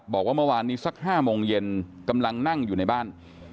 บอกว่าเมื่อวานนี้สัก๕โมงเย็นกำลังนั่งอยู่ในบ้าน